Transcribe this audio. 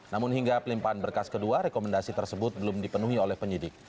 namun hingga pelimpahan berkas kedua rekomendasi tersebut belum dipenuhi oleh penyidik